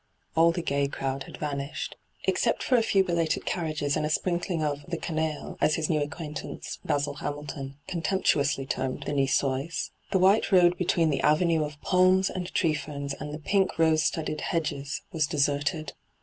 All tiie gay crowd had vanished. Except for a few belated carriages and a sprinkling of ' the canaille,' as his new acquaintance, Basil Hamil ton, contemptuously termed the Nigois, the white road between the avenue of palms and tree ferns and the pink rose studded hedges was deserted.